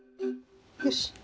よし！